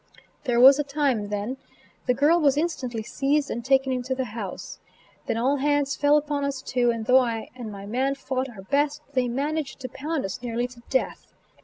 There was a time then. The girl was instantly seized and taken into the house. Then all hands fell upon us two, and though I and my man fought our best they managed to pound us nearly to death.